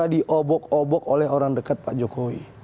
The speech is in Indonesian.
diobok obok oleh orang dekat pak jokowi